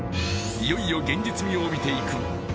いよいよ現実味を帯びていくＵＦＯ